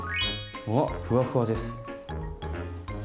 うわっふわふわです。